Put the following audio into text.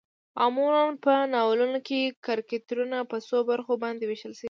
معمولا په ناولونو کې کرکترنه په څو برخو باندې ويشل شوي